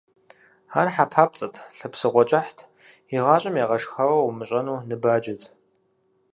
Ар хьэ папцӀэт, лъэ псыгъуэ кӀыхьт, игъащӀэм ягъэшхауэ умыщӀэну ныбаджэт.